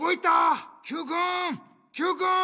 Ｑくん！